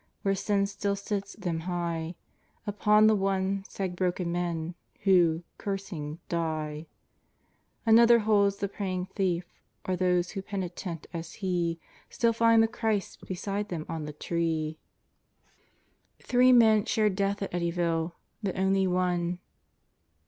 Where Sin still lifts them high: Upon the one, sag broken men Who, cursing, die; Another holds the praying thief, Or those who penitent as he, Still find 'the Christ Beside them on the tree. x Foreword Three men shared death at Eddyville, but only one